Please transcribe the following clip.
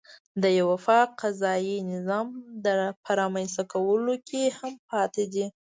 د یوه پاک قضایي نظام په رامنځته کولو کې هم پاتې دی.